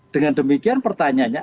dengan demikian pertanyaannya